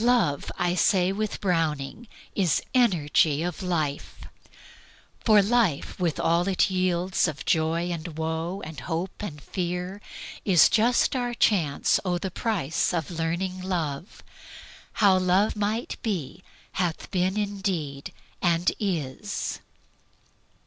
"Love," I say with Browning, "is energy of life." "For life, with all it yields of joy or woe And hope and fear, Is just our chance o' the prize of learning love, How love might be, hath been indeed, and is."